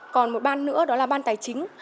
còn một ban nữa đó là ban tài chính